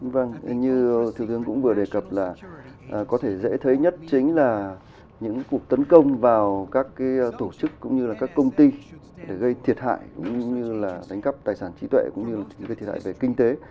vâng như thưa thương cũng vừa đề cập là có thể dễ thấy nhất chính là những cuộc tấn công vào các tổ chức cũng như là các công ty để gây thiệt hại cũng như là đánh cắp tài sản trí tuệ cũng như gây thiệt hại về kinh tế